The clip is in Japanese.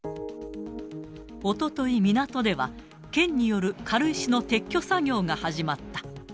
おととい、港では県による軽石の撤去作業が始まった。